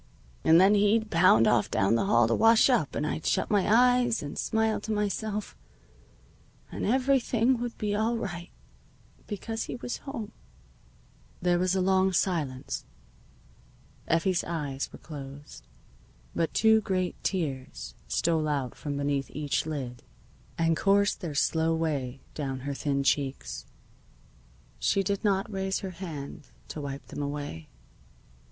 "And then he'd pound off down the hall to wash up, and I'd shut my eyes, and smile to myself, and everything would be all right, because he was home." There was a long silence. Effie's eyes were closed. But two great tears stole out from beneath each lid and coursed their slow way down her thin cheeks. She did not raise her hand to wipe them away.